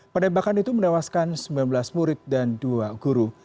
penembakan itu menewaskan sembilan belas murid dan dua guru